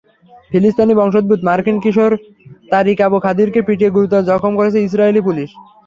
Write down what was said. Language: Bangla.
ফিলিস্তিনি বংশোদ্ভূত মার্কিন কিশোর তারিক আবু খাদিরকে পিটিয়ে গুরুতর জখম করেছে ইসরায়েলি পুলিশ।